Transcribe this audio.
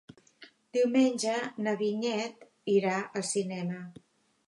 Diumenge na Vinyet irà al cinema.